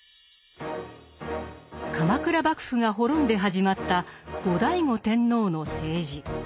鎌倉幕府が滅んで始まった後醍醐天皇の政治。